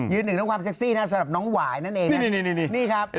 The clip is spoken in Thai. ยืดหนึ่งทั้งความเซ็กซี่นะสำหรับน้องหวายนั่นเองนะนี่นี่